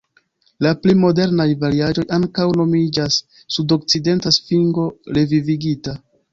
La pli modernaj variaĵoj ankaŭ nomiĝas "sudokcidenta svingo revivigita".